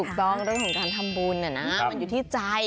ถูกต้องเรื่องของการทำบุญเนี่ยนะมันอยู่ที่ใจ